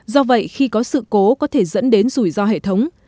do vậy khi có sự cố có thể dẫn đến rủi ro hệ thống